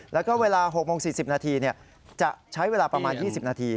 แล้วก็เวลา๖โมง๔๐นาทีจะใช้เวลาประมาณ๒๐นาที